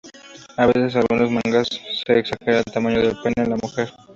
A veces, en algunos mangas, se exagera el tamaño del pene en la mujer.